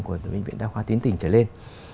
của bệnh viện đa khoa tuyến tỉnh trở lên